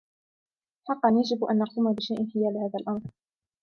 حقا، يجب أن نقوم بشيء حيال هذا الأمر.